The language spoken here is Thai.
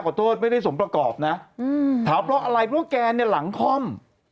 โทษไม่ได้สมประกอบนะถามเพราะอะไรเพราะแกเนี่ยหลังคล่อม